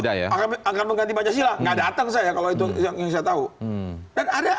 saya kalau itu yang saya tahu